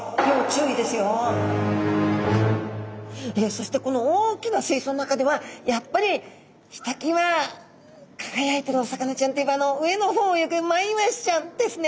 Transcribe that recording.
そしてこの大きな水槽の中ではやっぱりひときわ輝いてるお魚ちゃんといえばあの上の方を泳ぐマイワシちゃんですね。